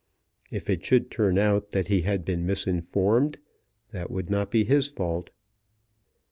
If it should turn out that he had been misinformed, that would not be his fault.